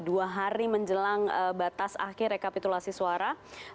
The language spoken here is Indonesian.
dua hari menjelang batas akhir rekapitulasi suara